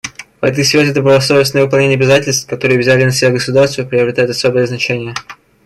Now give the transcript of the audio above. В этой связи добросовестное выполнение обязательств, которые взяли на себя государства, приобретает особое значение.